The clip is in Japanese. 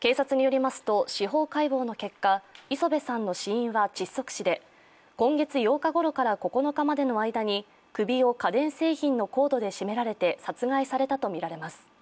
警察によりますと、司法解剖の結果礒辺さんの死因は窒息死で、今月８日ごろから９日ごろの間に首を家電製品のコードで絞められ殺害されたとみられます。